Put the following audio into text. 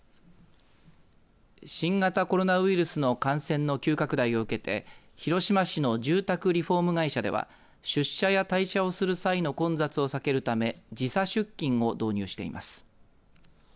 新型コロナウイルスの感染の急拡大を受けて広島市の住宅リフォーム会社では出社や退社をする際の混雑を避けるため時差出勤を導入しています。